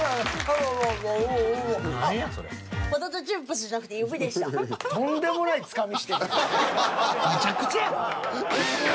むちゃくちゃやな。